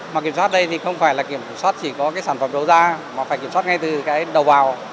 mà kiểm soát đây thì không phải là kiểm soát chỉ có cái sản phẩm đồ da mà phải kiểm soát ngay từ cái đầu vào